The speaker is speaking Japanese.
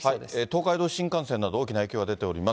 東海道新幹線など、大きな影響が出ております。